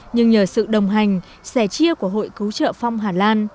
nhưng nhờ sự đồng hành sẻ chia của hội cứu trợ phong hà lan